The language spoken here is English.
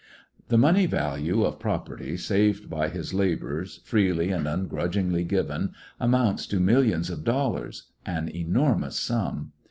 The money value of property saved by his labors, freely and ungrudgingly given, amounts to millions of dollars— an enormous sum.